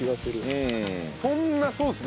そんなそうですね。